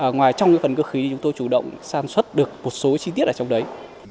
ngoài trong cái phần cơ khí chúng tôi chủ động sản xuất được một số chi tiết ở trong đấy